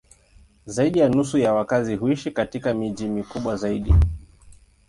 Zaidi ya nusu ya wakazi huishi katika miji mikubwa zaidi.